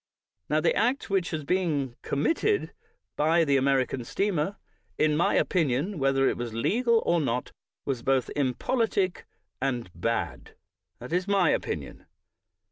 Now, the act which has been committed by; 256 BRIGHT the American steamer, in my opinion, whether it was legal or not, was both impolitic and bad. That is my opinion.